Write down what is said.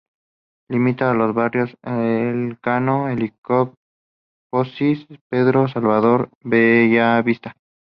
Limita con los barrios de Elcano, Heliópolis, Pedro Salvador y Bellavista.